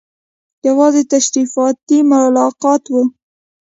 یوازې تشریفاتي ملاقات وو.